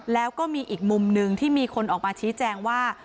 แล้วก็มีอีกมุมหนึ่งที่มีคนออกมาชี้แจงว่า